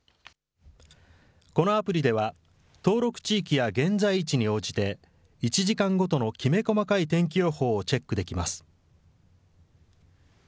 このアプリでは、登録地域や現在位置に応じて、１時間ごとのきめ細かい天気予報をチェックできます。